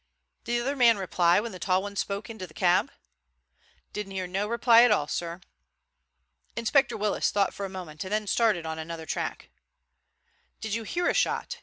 "Did the other man reply when the tall one spoke into the cab?" "Didn't hear no reply at all, sir." Inspector Willis thought for a moment and then started on another tack. "Did you hear a shot?"